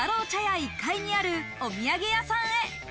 １階にあるお土産屋さんへ。